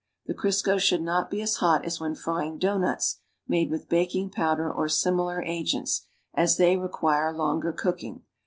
The Crisco should not be as hot as wlien frying doughnuts made with baking powder or similar agents, as they require longer cooking.